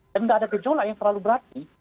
dan tidak ada kecolak yang terlalu berarti